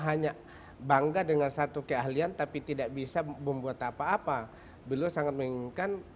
hanya bangga dengan satu keahlian tapi tidak bisa membuat apa apa beliau sangat menginginkan